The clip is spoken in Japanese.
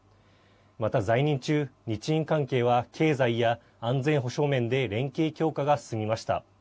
また、在任中日印関係は経済や安全保障面で連携強化が進みました。